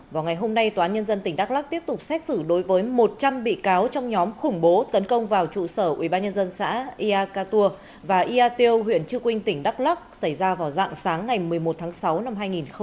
vào ngày hôm nay tòa án nhân dân tỉnh đắk lắc tiếp tục xét xử đối với một trăm linh bị cáo trong nhóm khủng bố tấn công vào trụ sở ubnd xã ia cà tùa và ia tiêu huyện trư quynh tỉnh đắk lắc xảy ra vào dạng sáng ngày một mươi một tháng sáu năm hai nghìn một mươi chín